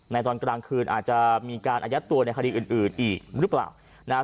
ตอนกลางคืนอาจจะมีการอายัดตัวในคดีอื่นอีกหรือเปล่านะครับ